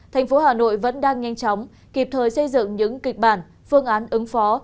thành phố hà nội vẫn đang nhanh chóng kịp thời xây dựng những kịch bản phương án ứng phó